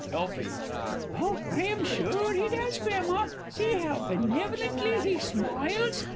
Elfie. Oh, I am sure he does, Grandma! See how benevolently he smiles.